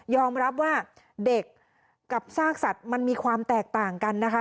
รับว่าเด็กกับซากสัตว์มันมีความแตกต่างกันนะคะ